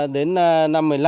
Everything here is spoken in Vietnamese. đến năm một mươi năm